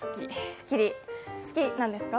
好きなんですか？